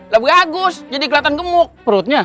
lebih bagus jadi kelihatan gemuk perutnya